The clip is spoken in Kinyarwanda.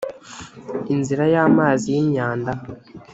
inzira y amazi y imyamda